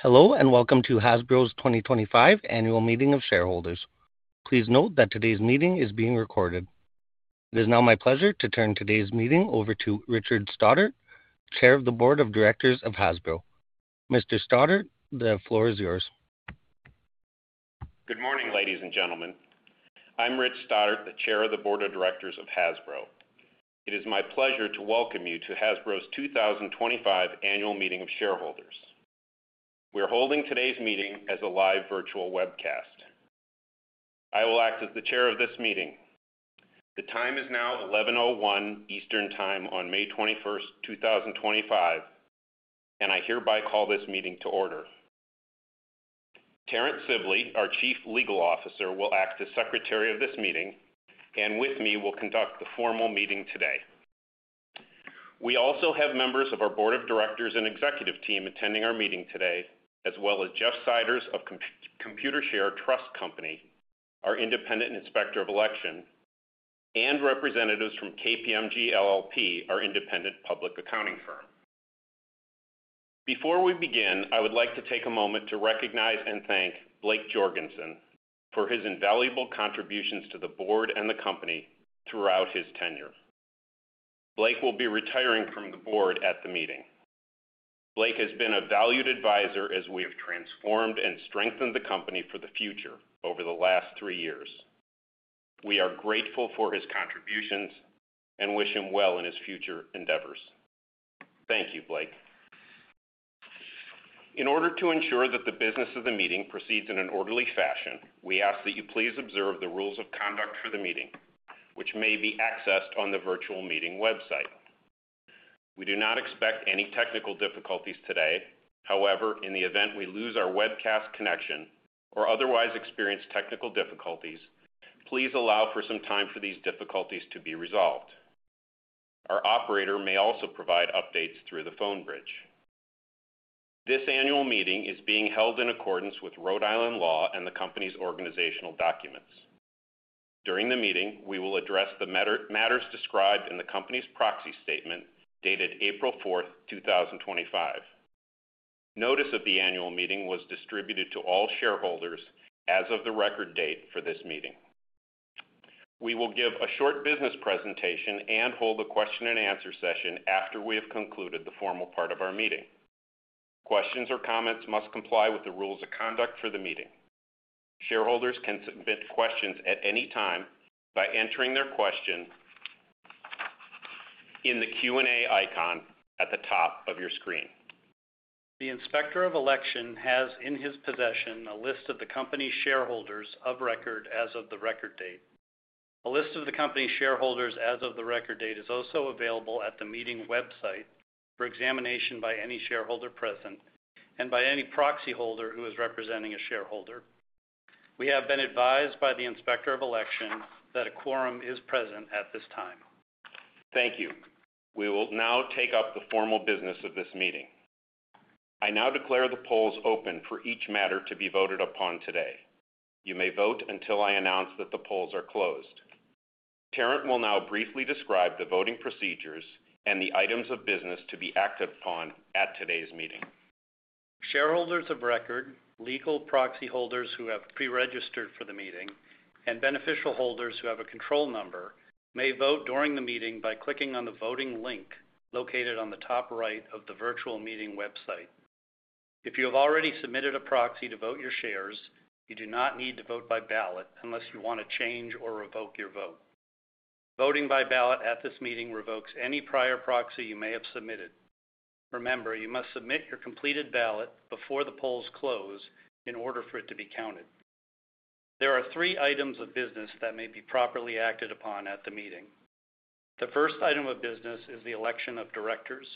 Hello, and welcome to Hasbro's 2025 Annual Meeting of Shareholders. Please note that today's meeting is being recorded. It is now my pleasure to turn today's meeting over to Richard Stoddart, Chair of the Board of Directors of Hasbro. Mr. Stoddart, the floor is yours. Good morning, ladies and gentlemen. I'm Rich Stoddart, the Chair of the Board of Directors of Hasbro. It is my pleasure to welcome you to Hasbro's 2025 Annual Meeting of Shareholders. We are holding today's meeting as a live virtual webcast. I will act as the Chair of this meeting. The time is now 11:01 A.M. Eastern Time on May 21st, 2025, and I hereby call this meeting to order. Tarrant Sibley, our Chief Legal Officer, will act as Secretary of this meeting, and with me will conduct the formal meeting today. We also have members of our Board of Directors and Executive Team attending our meeting today, as well as Jeff Seiders of Computershare Trust Company, our Independent Inspector of Election, and representatives from KPMG LLP, our Independent Registered Public Accounting Firm. Before we begin, I would like to take a moment to recognize and thank Blake Jorgensen for his invaluable contributions to the board and the company throughout his tenure. Blake will be retiring from the board at the meeting. Blake has been a valued advisor as we have transformed and strengthened the company for the future over the last three years. We are grateful for his contributions and wish him well in his future endeavors. Thank you, Blake. In order to ensure that the business of the meeting proceeds in an orderly fashion, we ask that you please observe the rules of conduct for the meeting, which may be accessed on the virtual meeting website. We do not expect any technical difficulties today. However, in the event we lose our webcast connection or otherwise experience technical difficulties, please allow for some time for these difficulties to be resolved. Our operator may also provide updates through the phone bridge. This annual meeting is being held in accordance with Rhode Island law and the company's organizational documents. During the meeting, we will address the matters described in the company's proxy statement dated April 4th, 2025. Notice of the annual meeting was distributed to all shareholders as of the record date for this meeting. We will give a short business presentation and hold a question-and-answer session after we have concluded the formal part of our meeting. Questions or comments must comply with the rules of conduct for the meeting. Shareholders can submit questions at any time by entering their question in the Q&A icon at the top of your screen. The Inspector of Election has in his possession a list of the company's shareholders of record as of the record date. A list of the company's shareholders as of the record date is also available at the meeting website for examination by any shareholder present and by any proxy holder who is representing a shareholder. We have been advised by the Inspector of Election that a quorum is present at this time. Thank you. We will now take up the formal business of this meeting. I now declare the polls open for each matter to be voted upon today. You may vote until I announce that the polls are closed. Terrence will now briefly describe the voting procedures and the items of business to be acted upon at today's meeting. Shareholders of record, legal proxy holders who have pre-registered for the meeting, and beneficial holders who have a control number may vote during the meeting by clicking on the voting link located on the top right of the virtual meeting website. If you have already submitted a proxy to vote your shares, you do not need to vote by ballot unless you want to change or revoke your vote. Voting by ballot at this meeting revokes any prior proxy you may have submitted. Remember, you must submit your completed ballot before the polls close in order for it to be counted. There are three items of business that may be properly acted upon at the meeting. The first item of business is the election of directors.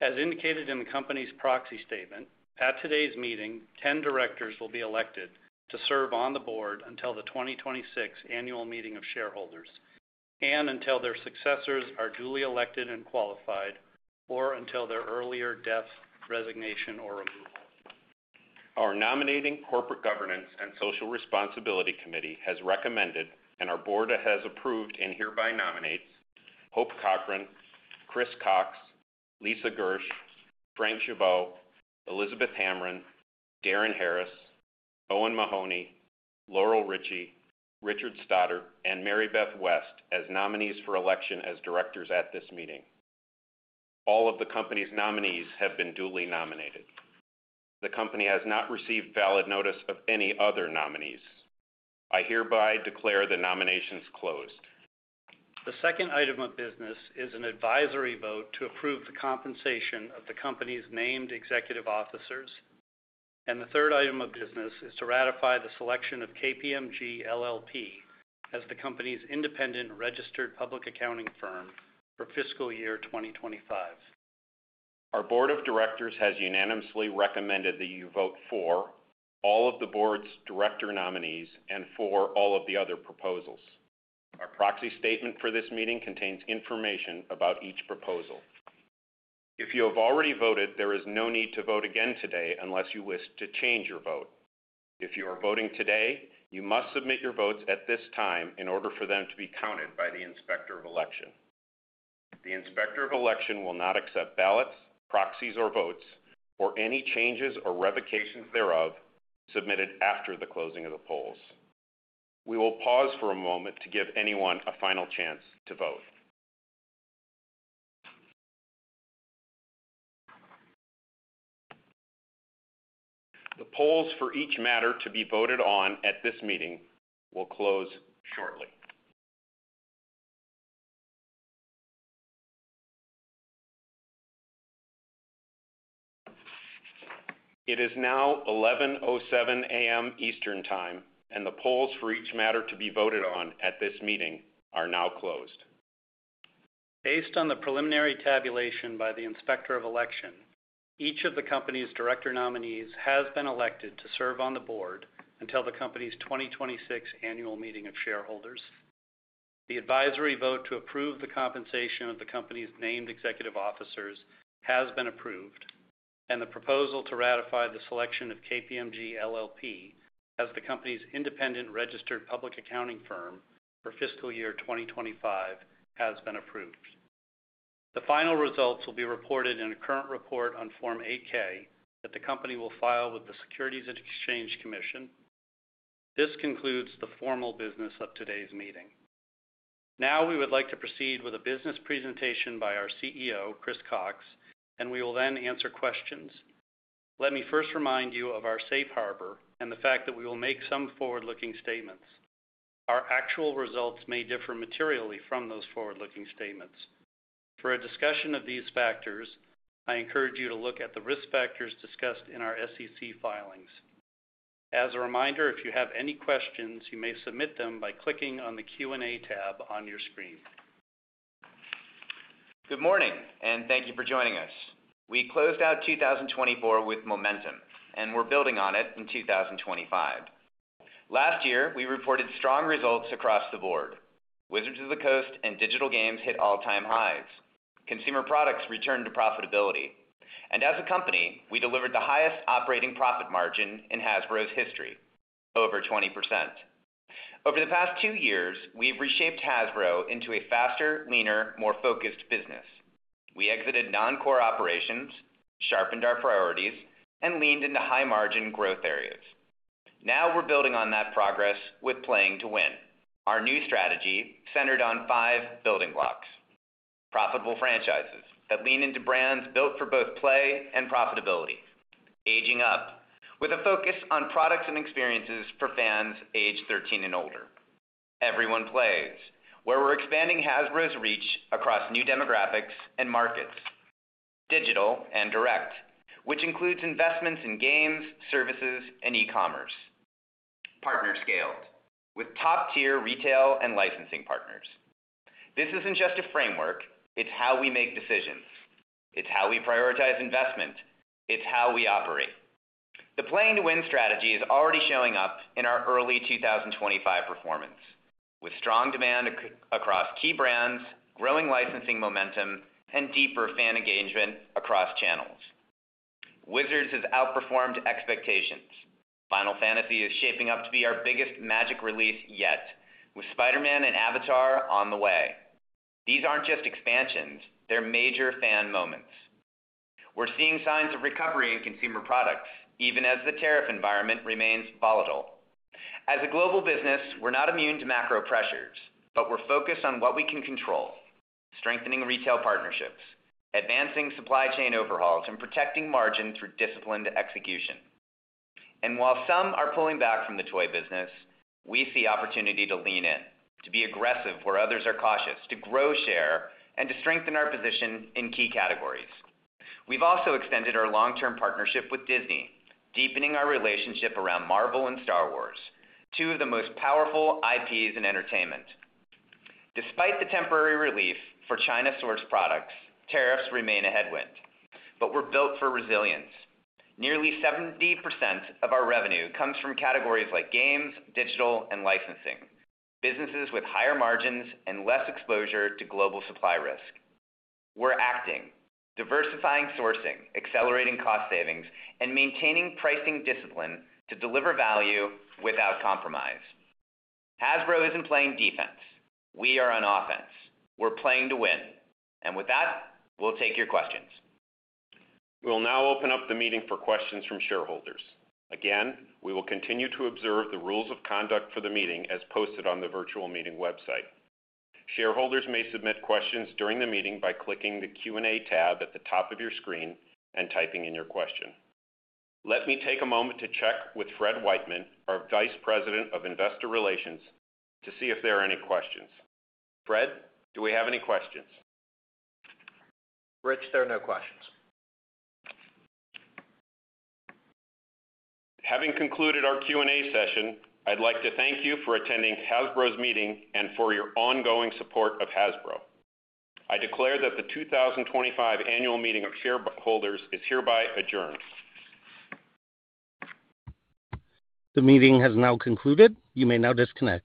As indicated in the company's proxy statement, at today's meeting, 10 directors will be elected to serve on the board until the 2026 Annual Meeting of Shareholders and until their successors are duly elected and qualified or until their earlier death, resignation, or removal. Our Nominating Corporate Governance and Social Responsibility Committee has recommended and our board has approved and hereby nominates Hope Cochran, Chris Cocks, Lisa Gersh, Frank Gibeau, Elizabeth Hamren, Darin Harris, Owen Mahoney, Laurel Richie, Richard Stoddart, and Mary Beth West as nominees for election as directors at this meeting. All of the company's nominees have been duly nominated. The company has not received valid notice of any other nominees. I hereby declare the nominations closed. The second item of business is an advisory vote to approve the compensation of the company's named executive officers. The third item of business is to ratify the selection of KPMG LLP as the company's Independent Registered Public Accounting Firm for fiscal year 2025. Our Board of Directors has unanimously recommended that you vote for all of the board's director nominees and for all of the other proposals. Our proxy statement for this meeting contains information about each proposal. If you have already voted, there is no need to vote again today unless you wish to change your vote. If you are voting today, you must submit your votes at this time in order for them to be counted by the Inspector of Election. The Inspector of Election will not accept ballots, proxies, or votes for any changes or revocations thereof submitted after the closing of the polls. We will pause for a moment to give anyone a final chance to vote. The polls for each matter to be voted on at this meeting will close shortly. It is now 11:07 A.M. Eastern Time, and the polls for each matter to be voted on at this meeting are now closed. Based on the preliminary tabulation by the Inspector of Election, each of the company's director nominees has been elected to serve on the board until the company's 2026 Annual Meeting of Shareholders. The advisory vote to approve the compensation of the company's named executive officers has been approved, and the proposal to ratify the selection of KPMG LLP as the company's Independent Registered Public Accounting Firm for fiscal year 2025 has been approved. The final results will be reported in a current report on Form 8-K that the company will file with the Securities and Exchange Commission. This concludes the formal business of today's meeting. Now we would like to proceed with a business presentation by our CEO, Chris Cocks, and we will then answer questions. Let me first remind you of our safe harbor and the fact that we will make some forward-looking statements. Our actual results may differ materially from those forward-looking statements. For a discussion of these factors, I encourage you to look at the risk factors discussed in our SEC filings. As a reminder, if you have any questions, you may submit them by clicking on the Q&A tab on your screen. Good morning, and thank you for joining us. We closed out 2024 with momentum, and we're building on it in 2025. Last year, we reported strong results across the board. Wizards of the Coast and digital games hit all-time highs. Consumer products returned to profitability. As a company, we delivered the highest operating profit margin in Hasbro's history, over 20%. Over the past two years, we've reshaped Hasbro into a faster, leaner, more focused business. We exited non-core operations, sharpened our priorities, and leaned into high-margin growth areas. Now we're building on that progress with Playing to Win, our new strategy centered on five building blocks: profitable franchises that lean into brands built for both play and profitability; aging up with a focus on products and experiences for fans aged 13 and older. Everyone plays, where we're expanding Hasbro's reach across new demographics and markets, digital and direct, which includes investments in games, services, and e-commerce, partner scaled with top-tier retail and licensing partners. This isn't just a framework. It's how we make decisions. It's how we prioritize investment. It's how we operate. The Playing to Win strategy is already showing up in our early 2025 performance, with strong demand across key brands, growing licensing momentum, and deeper fan engagement across channels. Wizards has outperformed expectations. Final Fantasy is shaping up to be our biggest Magic release yet, with Spider-Man and Avatar on the way. These aren't just expansions; they're major fan moments. We're seeing signs of recovery in consumer products, even as the tariff environment remains volatile. As a global business, we're not immune to macro pressures, but we're focused on what we can control: strengthening retail partnerships, advancing supply chain overhauls, and protecting margin through disciplined execution. While some are pulling back from the toy business, we see opportunity to lean in, to be aggressive where others are cautious, to grow share, and to strengthen our position in key categories. We've also extended our long-term partnership with Disney, deepening our relationship around Marvel and Star Wars, two of the most powerful IPs in entertainment. Despite the temporary relief for China-sourced products, tariffs remain a headwind. We're built for resilience. Nearly 70% of our revenue comes from categories like games, digital, and licensing, businesses with higher margins and less exposure to global supply risk. We're acting, diversifying sourcing, accelerating cost savings, and maintaining pricing discipline to deliver value without compromise. Hasbro isn't playing defense. We are on offense. We're playing to win. With that, we'll take your questions. We'll now open up the meeting for questions from shareholders. Again, we will continue to observe the rules of conduct for the meeting as posted on the virtual meeting website. Shareholders may submit questions during the meeting by clicking the Q&A tab at the top of your screen and typing in your question. Let me take a moment to check with Fred Wightman, our Vice President of Investor Relations, to see if there are any questions. Fred, do we have any questions? Rich, there are no questions. Having concluded our Q&A session, I'd like to thank you for attending Hasbro's meeting and for your ongoing support of Hasbro. I declare that the 2025 Annual Meeting of Shareholders is hereby adjourned. The meeting has now concluded. You may now disconnect.